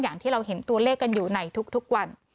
อย่างที่เราเห็นตัวเลขกันอยู่ในทุกวัน